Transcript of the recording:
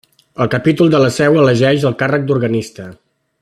El Capítol de la Seu elegeix el càrrec d'Organista.